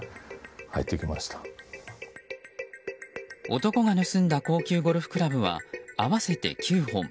男が盗んだ高級ゴルフクラブは合わせて９本。